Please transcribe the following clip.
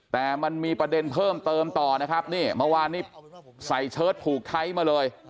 แต่มันมีประเด็นเพิ่มเติมต่อมันวานนี้ใส่เชิดผูกไท้มาเลย